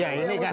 ya ini kan